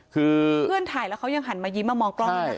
คือเพื่อนถ่ายแล้วเขายังหันมายิ้มมามองกล้องเลยนะ